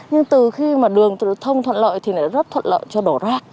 nhưng từ khi mà đường thông thuận lợi thì rất thuận lợi cho đổ rác